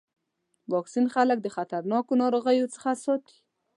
واکسین خلک د خطرناکو ناروغیو څخه ساتي.